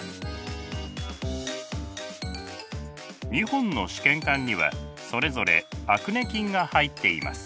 ２本の試験管にはそれぞれアクネ菌が入っています。